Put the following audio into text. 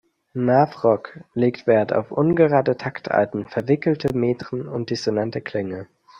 Math-Rock legt Wert auf ungerade Taktarten, verwickelte Metren und dissonante Klänge.